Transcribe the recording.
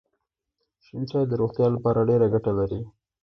شین چای د روغتیا لپاره ډېره ګټه لري.